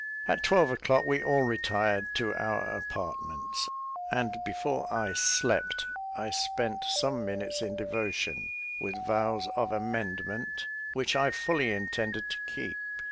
At twelve o'clock, we all retired to our apartments, and before I slept I spent some minutes in devotion, with vows of amendment which I fully intended to keep.